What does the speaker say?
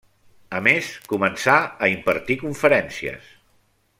A més, començà a impartir conferències.